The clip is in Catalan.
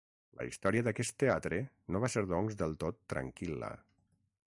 La història d'aquest teatre no va ser doncs del tot tranquil·la.